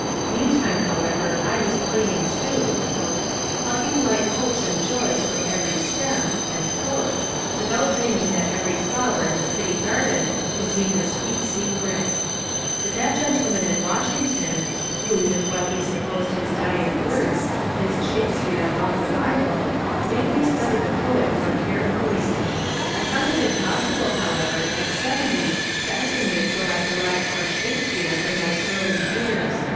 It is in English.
Meantime, however, I was playing too, —" plucking light hopes and joys from every stem," — without dreaming that every flower in the pretty garden contained a sweet secret But that gentleman in Wash ington, who with what he supposed his dying words placed Shakespeare above the Bible, made me study the poet more carefully. I find it impossible, however, at seventy to estimate what I derived from Shakespeare in those early years.